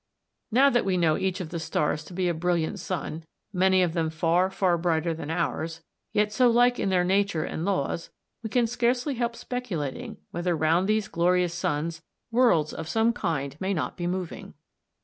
Now that we know each of the stars to be a brilliant sun, many of them far, far brighter than ours, yet so like in their nature and laws, we can scarcely help speculating whether round these glorious suns, worlds of some kind may not be moving.